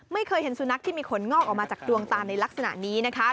ไม่เคยเห็นสุนัขที่มีขนงอกออกมาจากดวงตาในลักษณะนี้นะคะ